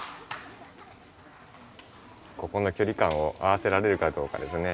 ここのきょり感を合わせられるかどうかですね。